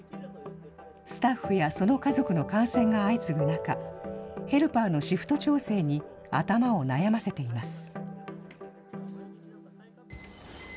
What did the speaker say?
スタッフやその家族の感染が相次ぐ中、ヘルパーのシフト調整に頭を悩ませています。